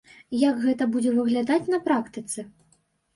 Як гэта будзе выглядаць на практыцы?